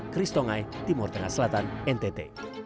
chris tongai timur tengah selatan ntt